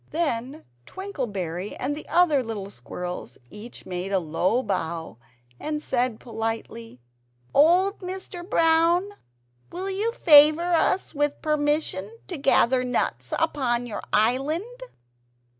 Then Twinkleberry and the other little squirrels each made a low bow, and said politely "Old Mr. Brown, will you favour us with permission to gather nuts upon your island?"